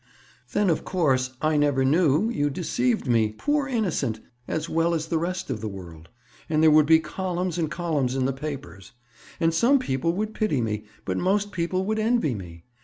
"Then, of course, I never knew—you deceived me—poor innocent!—as well as the rest of the world. And there would be columns and columns in the papers. And some people would pity me, but most people would envy me.